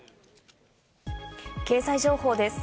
経済情報です。